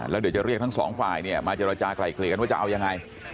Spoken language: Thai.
แล้วเดี๋ยวจะเรียกทั้งสองฝ่ายมาเจรจากลายเกลี่ยกันว่าจะเอายังไง